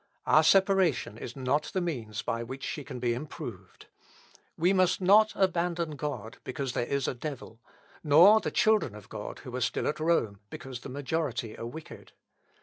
Our separation is not the means by which she can be improved. We must not abandon God because there is a devil; nor the children of God who are still at Rome, because the majority are wicked.